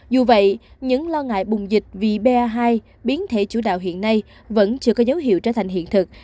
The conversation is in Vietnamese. dù vậy những lo ngại bùng dịch vì ba hai biến thể chủ đạo hiện nay vẫn chưa có dấu hiệu trở thành hiện thực